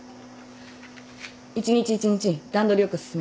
一日一日段取りよく進めること。